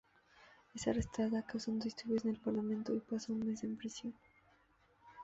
Es arrestada causando disturbios en el Parlamento y pasa un mes en prisión.